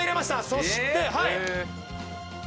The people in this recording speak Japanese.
そしてはい。